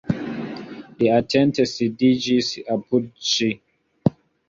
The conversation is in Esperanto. Li atente sidiĝis apud ŝi.